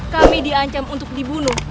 kami diancam untuk dibunuh